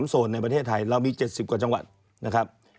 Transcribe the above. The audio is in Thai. โซนในประเทศไทยเรามี๗๐กว่าจังหวัดนะครับ